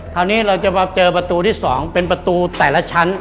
คราวนี้เราจะมาเจอประตูที่๒เป็นประตูแต่ละชั้น